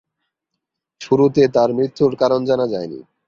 শুরুতে তার মৃত্যুর কারণ জানা যায়নি।